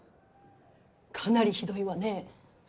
かなりひどいわね。